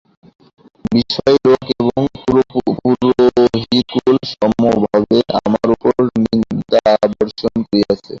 বিষয়ী লোক এবং পুরোহিতকুল সমভাবে আমার উপর নিন্দাবর্ষণ করিয়াছে।